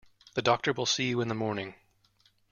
The doctor will see you in the morning.